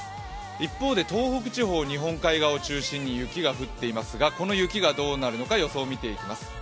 一方で東北地方、日本海側を中心に雪が降っていますがこの雪がどうなるのか予想を見ていきます。